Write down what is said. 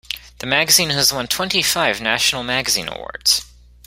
The magazine has won twenty-five National Magazine Awards.